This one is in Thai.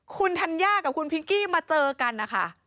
คุณธัญญากับคุณพิงกี้มาเจอกันนะคะ